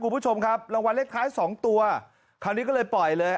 คุณผู้ชมครับรางวัลเลขท้ายสองตัวคราวนี้ก็เลยปล่อยเลย